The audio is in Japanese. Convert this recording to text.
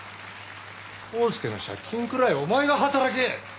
コースケの借金くらいお前が働け！